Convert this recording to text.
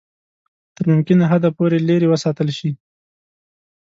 تر ممکنه حده پوري لیري وساتل شي.